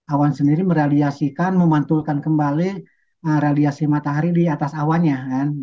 awan sendiri meraliasikan memantulkan kembali radiasi matahari di atas awannya